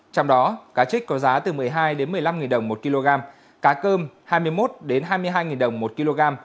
trong đó cá trích có giá từ một mươi hai một mươi năm đồng một kg cá cơm hai mươi một hai mươi hai đồng một kg